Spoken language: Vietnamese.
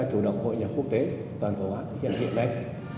chủ động hội nhà quốc tế toàn thủ hoạt hiện hiện nay